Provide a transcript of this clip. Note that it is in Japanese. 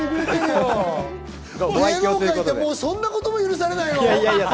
芸能界って、もうそんなことも許されないの？